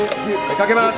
かけます。